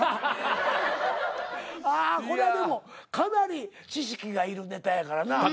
これはでもかなり知識がいるネタやからな。